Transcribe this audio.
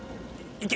いけ！